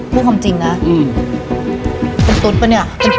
พูดความจริงนะเป็นตุ๊ดป่ะเนี่ย